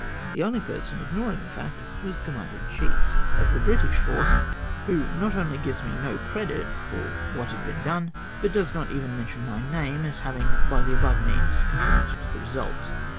The only person ignoring the fact was the commandei VOL. I. E E 418 LORD GAMBIERS MISSTATEMENT. in cliief of the British force, who not only gives nie no credit for what had been done, but does not even mention my name, as havmg, by the above means, contributed to the result